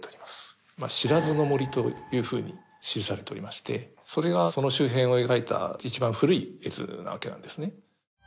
不知森というふうに記されておりましてそれがその周辺を描いた一番古い絵図なわけなんですね。